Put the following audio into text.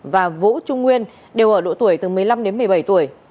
và vũ trung nguyên đều ở độ tuổi từ một mươi năm đến một mươi bảy tuổi